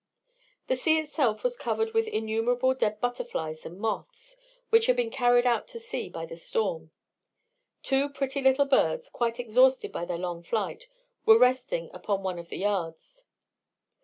The sea itself was covered with innumerable dead butterflies and moths, which had been carried out to sea by the storm. Two pretty little birds, quite exhausted by their long flight, were resting upon one of the yards.